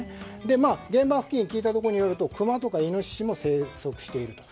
現場付近、聞いたところによるとクマとかイノシシも生息していると。